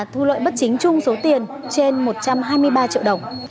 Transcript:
thu lợi bất chính chung số tiền trên một trăm hai mươi ba triệu đồng